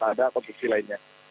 pada konstruksi lainnya